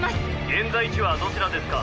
現在地はどちらですか？